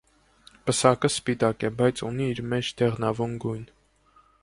Պսակը սպիտակ է բայց ունի իր մեջ դեղնավուն գույն։